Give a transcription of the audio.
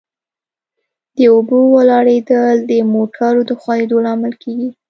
د اوبو ولاړېدل د موټرو د ښوئیدو لامل کیږي